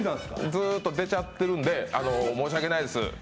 ずっと出ちゃってるので申し訳ないです。